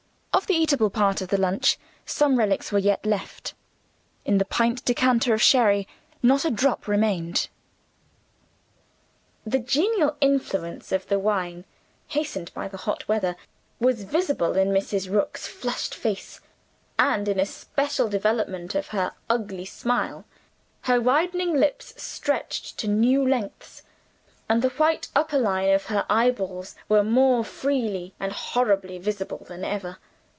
Of the eatable part of the lunch some relics were yet left. In the pint decanter of sherry, not a drop remained. The genial influence of the wine (hastened by the hot weather) was visible in Mrs. Rook's flushed face, and in a special development of her ugly smile. Her widening lips stretched to new lengths; and the white upper line of her eyeballs were more freely and horribly visible than ever.